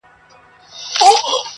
ویل راسه پر لېوه پوښتنه وکه-